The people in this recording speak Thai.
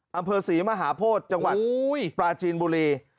อำเภอศรีมหาโพธิจังหวัดปราจีนบุรี